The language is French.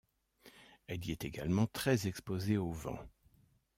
Elle y est également très exposée au vent.